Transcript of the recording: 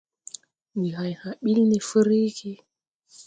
Ndi hay hã bil ne fruygi.